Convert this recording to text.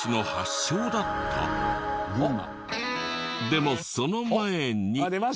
でもその前に。